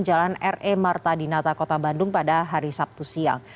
jalan re marta dinata kota bandung pada hari sabtu siang